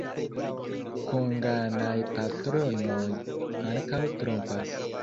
Konganaj patronoj ankaŭ trompas.